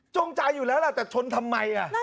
จงใจอยู่แล้วล่ะแต่ชนทำไม